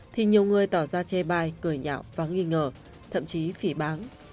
thì nhiều người tỏ ra chê bai cười nhạo và nghi ngờ thậm chí phỉ báng